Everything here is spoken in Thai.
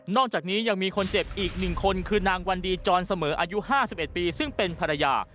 จากนี้ยังมีคนเจ็บอีก๑คนคือนางวันดีจรเสมออายุ๕๑ปีซึ่งเป็นภรรยา